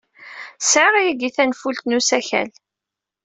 Sɛiɣ yagi tanfult n usakal.